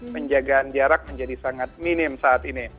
penjagaan jarak menjadi sangat minim saat ini